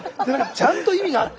ちゃんと意味があった。